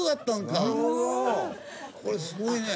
これすごいね。